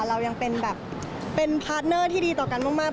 เรายังเป็นแบบเป็นพาร์ทเนอร์ที่ดีต่อกันมาก